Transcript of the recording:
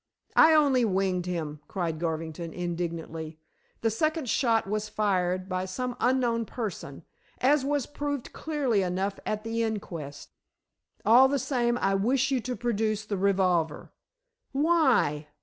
"I only winged him," cried Garvington indignantly. "The second shot was fired by some unknown person, as was proved clearly enough at the inquest." "All the same, I wish you to produce the revolver." "Why?"